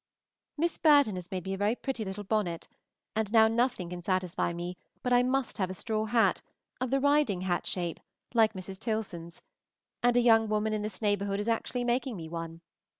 Miss Burton has made me a very pretty little bonnet, and now nothing can satisfy me but I must have a straw hat, of the riding hat shape, like Mrs. Tilson's; and a young woman in this neighborhood is actually making me one.